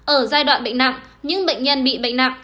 ở giai đoạn bệnh nặng những bệnh nhân bị bệnh nặng